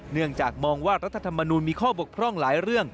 เนื่องจากมองว่ารัฐธรรมนูลมีข้อบกพร่องหลายเรื่อง